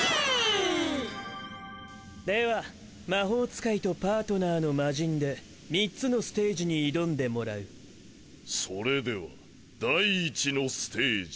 では魔法使いとパートナーのマジンで３つのステージに挑んでもらうそれでは第１のステージ！